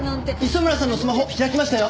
磯村さんのスマホ開きましたよ！